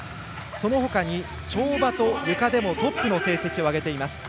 その他に、跳馬とゆかでもトップの成績を挙げています。